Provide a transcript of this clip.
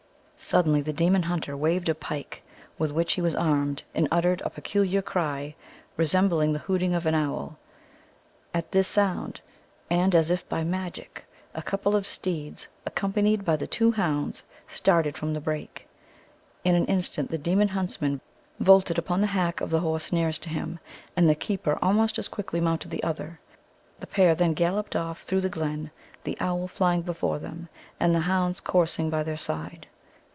Suddenly the demon hunter waved a pike with which he was armed, and uttered a peculiar cry, resembling the hooting of an owl. At this sound, and as if by magic, a couple of steeds, accompanied by the two hounds, started from the brake. In an instant the demon huntsman vaulted upon the hack of the horse nearest to him, and the keeper almost as quickly mounted the other. The pair then galloped off through the glen, the owl flying before them, and the hounds coursing by their side.